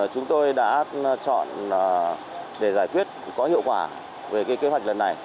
chúng tôi đã chọn để giải quyết có hiệu quả về kế hoạch lần này